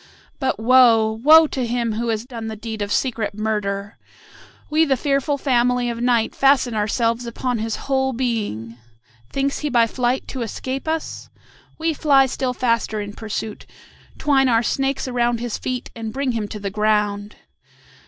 But woe! woe! to him who has done the deed of secret murder. We the fearful family of Night fasten ourselves upon his whole being. Thinks he by flight to escape us? We fly still faster in pursuit, twine our snakes around his feet, and bring him to the ground.